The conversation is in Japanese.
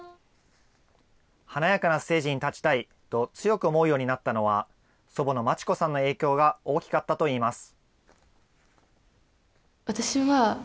華やかなステージに立ちたいと強く思うようになったのは、祖母の待子さんの影響が大きかったといいます。